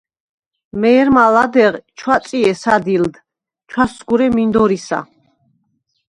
მე̄რმა ლადეღ ჩვაწჲე სადილდ, ჩვესსგურე მინდორისა.